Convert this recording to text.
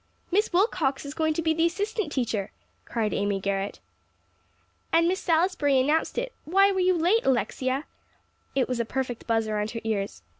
"Miss Wilcox is going to be the assistant teacher," cried Amy Garrett. "And Miss Salisbury announced it; why were you late, Alexia?" it was a perfect buzz around her ears.